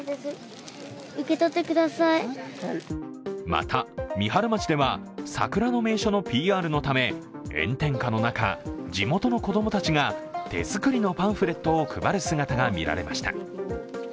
また、三春町では桜の名所のＰＲのため炎天下の中、地元の子供たちが手作りのパンフレットを配る姿が見られました。